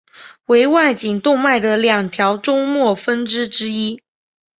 为外颈动脉的两条终末分支之一。